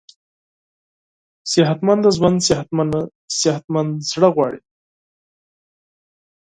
صحتمند ژوند صحتمند زړه غواړي.